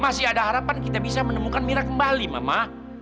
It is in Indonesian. masih ada harapan kita bisa menemukan mira kembali mama